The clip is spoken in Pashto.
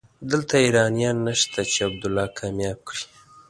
دلته ايرانيان نشته چې عبدالله کامياب کړي.